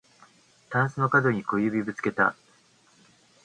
たんすのかどに小指ぶつけた